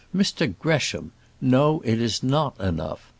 Mr Gresham. No; it is not enough.